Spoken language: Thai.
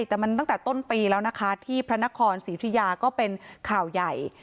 แต่มันตั้งแต่ต้นปีแล้วนะคะที่พระนครศรีอุทิยาก็เป็นข่าวใหญ่